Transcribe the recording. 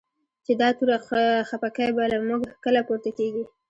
چی دا توره خپکی به؛ له موږ کله پورته کیږی